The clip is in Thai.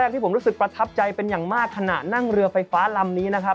ที่ผมรู้สึกประทับใจเป็นอย่างมากขณะนั่งเรือไฟฟ้าลำนี้นะครับ